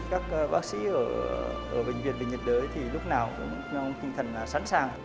các bác sĩ ở bệnh viện bệnh viện đới thì lúc nào cũng kinh thần sẵn sàng